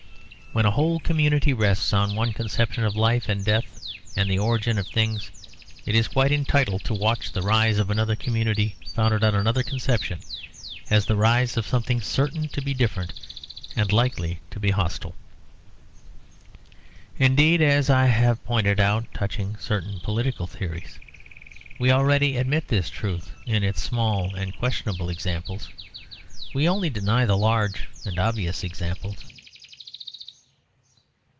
When a whole community rests on one conception of life and death and the origin of things, it is quite entitled to watch the rise of another community founded on another conception as the rise of something certain to be different and likely to be hostile. Indeed, as I have pointed out touching certain political theories, we already admit this truth in its small and questionable examples. We only deny the large and obvious examples.